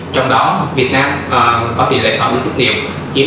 trong đó việt nam có tỷ lệ sọ đường tích niệm